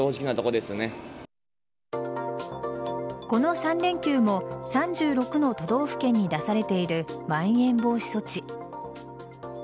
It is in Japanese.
この３連休も３６の都道府県に出されているまん延防止措置。